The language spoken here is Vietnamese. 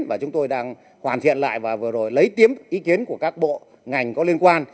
và chúng tôi đang hoàn thiện lại và vừa rồi lấy tiếp ý kiến của các bộ ngành có liên quan